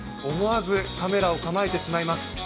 思わずカメラを構えてしまいます。